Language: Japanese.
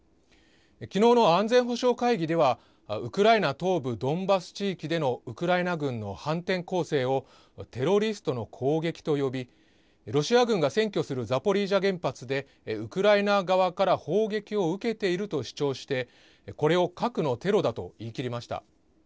きのうの安全保障会議では、ウクライナ東部ドンバス地域でのウクライナ軍の反転攻勢を、テロリストの攻撃と呼び、ロシア軍が占拠するザポリージャ原発でウクライナ側から砲撃を受けていると主張して、これを核のテロだと言い切りました。